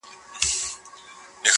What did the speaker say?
چي ښه وي، بد دي اور واخلي.